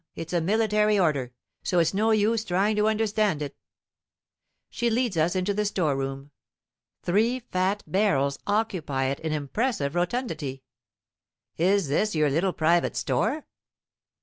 It's a military order, so it's no use trying to understand it." She leads us into the store room. Three fat barrels occupy it in impressive rotundity. "Is this your little private store?"